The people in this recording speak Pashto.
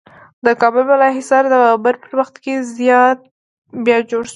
د کابل بالا حصار د بابر په وخت کې بیا جوړ شو